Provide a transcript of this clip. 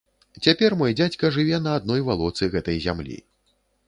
Цяпер мой дзядзька жыве на адной валоцы гэтай зямлі.